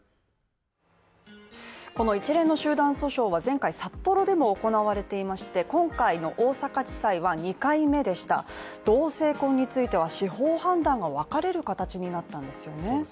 この一連の集団訴訟は前回札幌でも行われていまして今回の大阪地裁は２回目でした同性婚については司法判断がわかれる形になったんですよね。